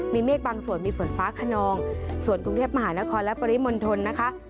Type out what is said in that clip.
มีเมฆบางส่วนมีฝนฟ้าขนองส่วนกรุงเทพมหานครและปริมณฑลนะคะ